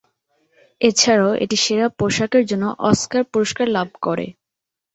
এছাড়াও এটি সেরা পোশাকের জন্য অস্কার পুরস্কার লাভ করে।